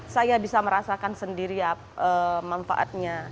saya bisa merasakan sendiri manfaatnya